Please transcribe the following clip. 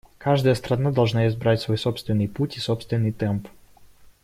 Каждая страна должна избрать свой собственный путь и собственный темп.